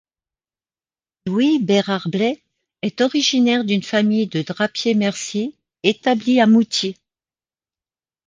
Louis Bérard-Blay est originaire d'une famille de drapiers-merciers, établie à Moûtiers.